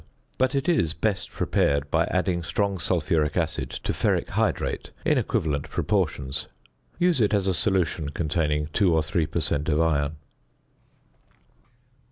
But it is best prepared by adding strong sulphuric acid to ferric hydrate in equivalent proportions. Use it as a solution containing 2 or 3 per cent. of iron.